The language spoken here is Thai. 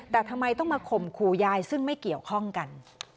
แต่ทำไมต้องมาข่มขู่ยายซึ่งไม่เกี่ยวข้องกัน